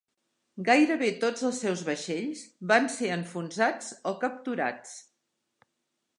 Gairebé tots els seus vaixells van ser enfonsats o capturats.